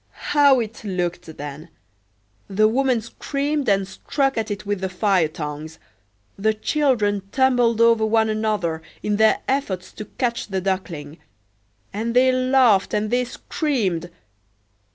How it looked then! The woman screamed, and struck at it with the fire tongs; the children tumbled over one another in their efforts to catch the Duckling; and they laughed and they screamed!